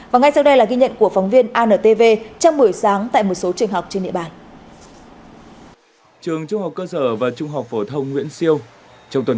và ngay sau đây là ghi nhận của phóng viên antv trong buổi sáng tại một số trường học trên địa bàn